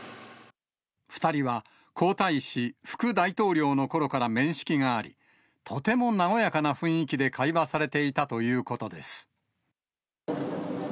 ２人は皇太子、副大統領のころから面識があり、とても和やかな雰囲気で会話されていたということです。